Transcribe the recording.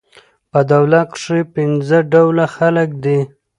په دولت کښي پنځه ډوله خلک دي.